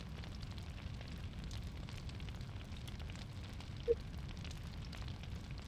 Muy humilde, se dedicó primero al trabajo en el campo.